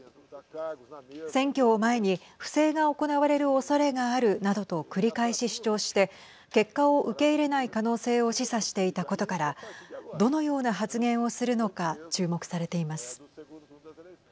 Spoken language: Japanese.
選挙を前に不正が行われるおそれがあるなどと繰り返し主張して結果を受け入れない可能性を示唆していたことからどのような発言をするのか注目されています。